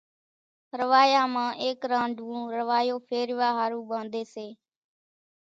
روايا مان ايڪ رانڍوون روايو ڦيرِوِيا ۿارُو ٻانڌيَ سي۔